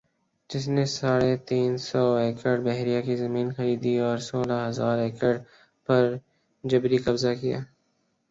جس نے ساڑھے تین سو ایکڑبحریہ کی زمین خریدی اور سولہ ھزار ایکڑ پر جبری قبضہ کیا